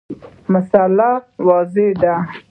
مسأله واضحه ده.